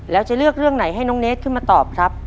แล้วจะเลือกเรื่องไหนให้น้องเนสขึ้นมาตอบครับ